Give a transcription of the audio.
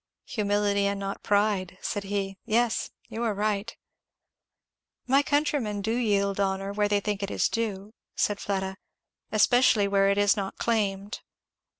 "Humility and not pride," said he. "Yes you are right." "My countrymen do yield honour where they think it is due," said Fleda; "especially where it is not claimed.